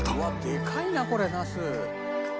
でかいなこれナス。